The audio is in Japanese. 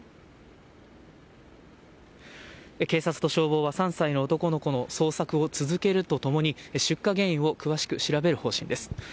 警察と消防は３歳の男の子の捜索を続けるとともに、出火原因を詳しく調べる方針です。